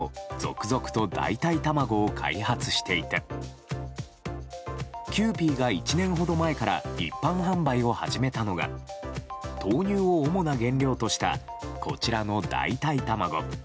大手食品メーカーも続々と代替卵を開発していてキユーピーが１年ほど前から一般販売を始めたのが豆乳を主な原料としたこちらの代替卵。